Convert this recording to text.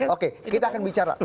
oke kita akan bicara